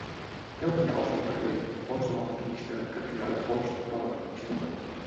Hi ha algun negoci al carrer Ponts de La Maquinista cantonada Ponts de La Maquinista?